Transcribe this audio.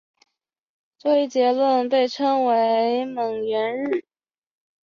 这一结论被称为蒙日圆。